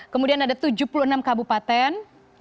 kemudian ada tujuh puluh enam kabupaten